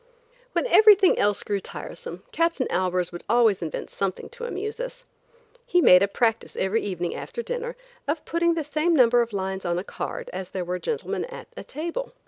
When everything else grew tiresome, Captain Albers would always invent something to amuse us. He made a practice every evening after dinner, of putting the same number of lines on a card as there were gentlemen at the table.